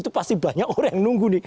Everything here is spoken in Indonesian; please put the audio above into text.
itu pasti banyak orang yang nunggu nih